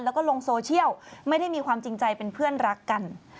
แล้วก็ลงโซเชียลไม่ได้มีความจริงใจเป็นเพื่อนรักกัน